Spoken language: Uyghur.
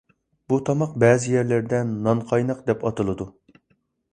بۇ تاماق بەزى يەرلەردە «نانقايناق» دەپ ئاتىلىدۇ.